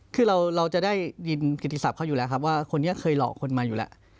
คือเราจะได้ยินกิติศัพทเขาอยู่แล้วครับว่าคนนี้เคยหลอกคนมาอยู่แล้ว